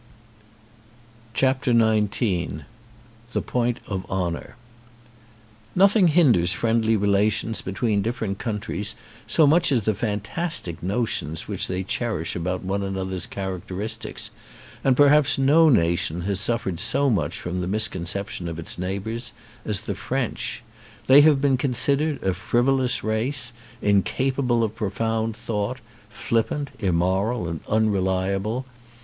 72 XIX THE POINT OF HONOUR NOTHING hinders friendly relations be tween different countries so much as the fantastic notions which they cherish about one another's characteristics, and perhaps no nation has suffered so much from the misconception of its neighbours as the French. They have been considered a frivolous race, in capable of profound thought, flippant, immoral, and unreliable.